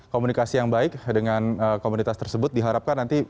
komunikasi yang baik dengan komunitas tersebut diharapkan nanti